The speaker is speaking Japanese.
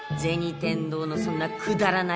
天堂のそんなくだらない